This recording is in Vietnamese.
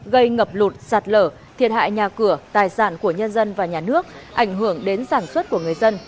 gây ngập lụt sạt lở thiệt hại nhà cửa tài sản của nhân dân và nhà nước ảnh hưởng đến sản xuất của người dân